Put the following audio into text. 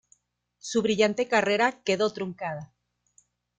Su brillante carrera quedó truncada.